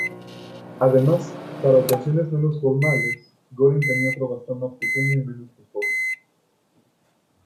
Además, para ocasiones menos formales, Göring tenía otro bastón más pequeño y menos lujoso.